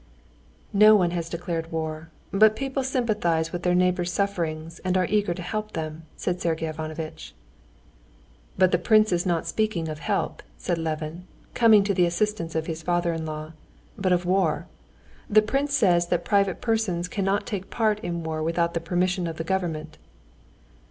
"No one has declared war, but people sympathize with their neighbors' sufferings and are eager to help them," said Sergey Ivanovitch. "But the prince is not speaking of help," said Levin, coming to the assistance of his father in law, "but of war. The prince says that private persons cannot take part in war without the permission of the government."